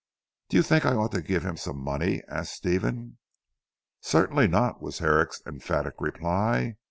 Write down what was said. "Do you think I ought to give him some money?" asked Stephen. "Certainly not," was Herrick's emphatic reply.